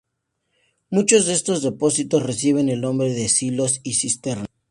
Muchos de estos depósitos reciben el nombre de silos y cisternas.